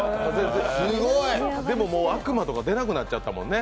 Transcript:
でももう悪魔とか出なくなっちゃったもんね。